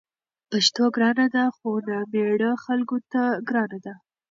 پښتو ګرانه ده؛ خو نامېړه خلکو ته ګرانه ده